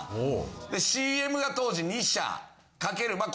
ＣＭが当時２社かけるまあ